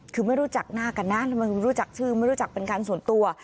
คือไม่รู้จักหน้ากันนะแล้วไม่รู้จักชื่อไม่รู้จักเป็นการส่วนตัว